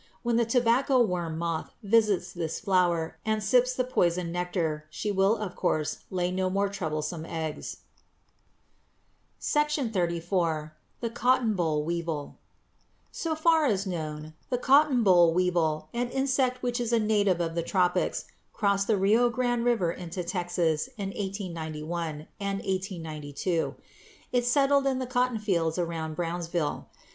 When the tobacco worm moth visits this flower and sips the poisoned nectar, she will of course lay no more troublesome eggs. SECTION XXXIV. THE COTTON BOLL WEEVIL So far as known, the cotton boll weevil, an insect which is a native of the tropics, crossed the Rio Grande River into Texas in 1891 and 1892. It settled in the cotton fields around Brownsville.